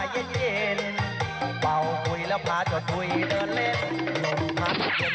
เดี๋ยวร่ำไปพร้อมกันโอเค